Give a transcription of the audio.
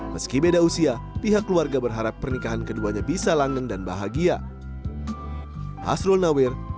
meski beda usia pihak keluarga berharap pernikahan keduanya bisa langgeng dan bahagia